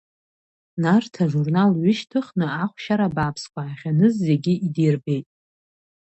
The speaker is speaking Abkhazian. Нарҭ ажурнал ҩышьҭыхны ахәшьара бааԥсқәа ахьаныз зегьы идирбеит.